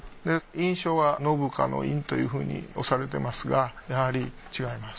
印章は「信香之印」というふうに押されてますがやはり違います。